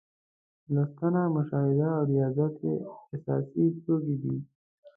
لوستنه، مشاهده او ریاضت یې اساسي توکي دي.